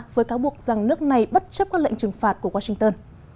với cáo buộc rằng nước này bất chấp các lệnh trừng phạt của washington